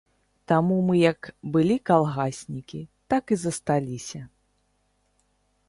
Таму мы як былі калгаснікі, так і засталіся.